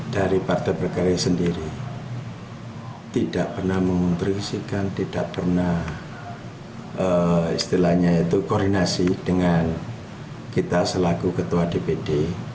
dari partai berkarya sendiri tidak pernah mengontrifisikan tidak pernah istilahnya itu koordinasi dengan kita selaku ketua dpd